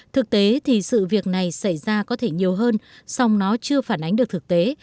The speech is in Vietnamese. thực tế thì sự việc này xảy ra có thể nhiều hơn song nó chưa phản ánh được thực tế